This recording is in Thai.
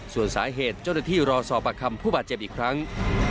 ส่วนสาเหตุเจ้าหน้าที่รอสอบปากคำผู้บาดเจ็บอีกครั้ง